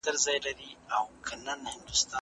گوندي وي چي یوه ورځ دي ژوند بهتر سي